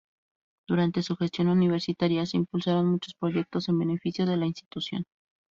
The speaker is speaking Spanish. Durante su gestión universitaria se impulsaron muchos proyectos en beneficio de la institución.